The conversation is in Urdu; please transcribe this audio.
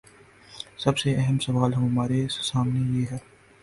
سب سے اہم سوال ہمارے سامنے یہ ہے۔